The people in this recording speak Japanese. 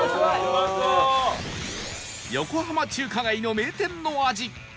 横浜中華街の名店の味